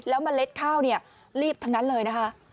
เมล็ดข้าวเนี่ยรีบทั้งนั้นเลยนะคะ